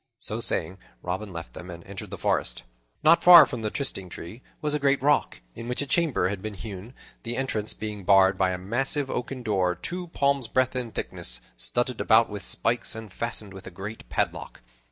So saying, Robin left them and entered the forest. Not far from the trysting tree was a great rock in which a chamber had been hewn, the entrance being barred by a massive oaken door two palms' breadth in thickness, studded about with spikes, and fastened with a great padlock.